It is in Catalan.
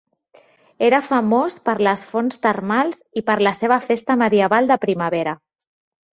Era famós per les fonts termals i per la seva festa medieval de primavera.